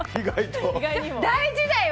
大事だよ！